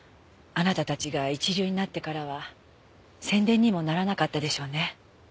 あなたたちが一流になってからは宣伝にもならなかったでしょうね。